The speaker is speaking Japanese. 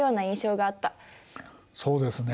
そうですね。